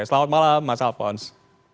selamat malam mas alphonse